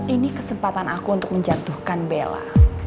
ini kesempatan aku untuk menjatuhkan bella